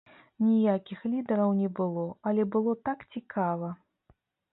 Ніякіх лідараў не было, але было так цікава!